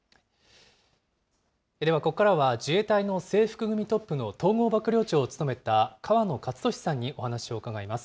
では、ここからは自衛隊の制服組トップの統合幕僚長を務めた河野克俊さんにお話を伺います。